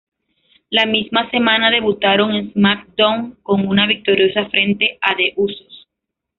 La misma semana debutaron en "SmackDown" con una victoria frente a The Usos.